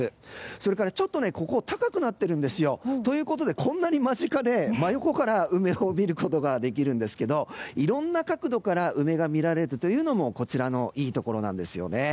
それからちょっとここ、高くなっているんですよ。ということでこんなに間近で、真横から梅を見ることができるんですけどいろんな角度から梅が見られるというのもこちらのいいところなんですよね。